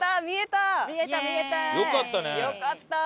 よかったね。